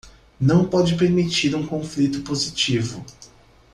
Não pode permitir um conflito positivo